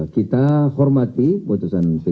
kita hormati putusan p tiga